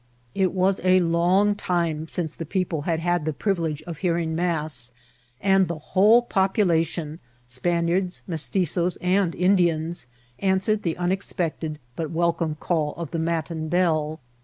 It was a long time since the people had had the privilege of hearing mass, and the whole pop* ulation, Spaniards, Mestitzoes, and Indians, answered the unexpected but welcome call of the matin bell.